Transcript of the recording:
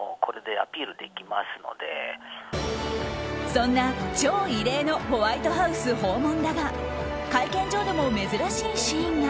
そんな超異例のホワイトハウス訪問だが会見場でも珍しいシーンが。